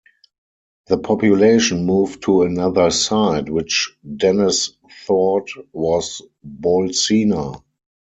The population moved to another site, which Dennis thought was Bolsena.